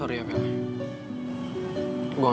mata kita melahirkan itu